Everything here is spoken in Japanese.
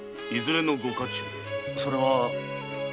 それは。